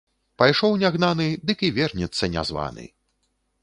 Пайшоў не гнаны, дык і вернецца не званы.